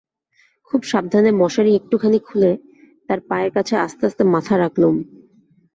খুব সাবধানে মশারি একটুখানি খুলে তাঁর পায়ের কাছে আস্তে আস্তে মাথা রাখলুম।